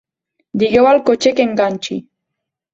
Digueu al cotxer que enganxi.